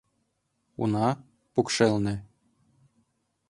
Уна, покшелне.